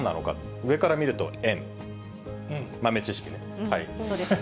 上から見ると、円、豆知識ね。